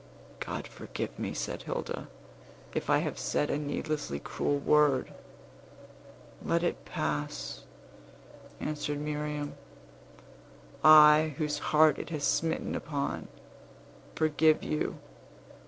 "God forgive me," said Hilda, "if I have said a needlessly cruel word!" "Let it pass," answered Miriam; "I, whose heart it has smitten upon, forgive you.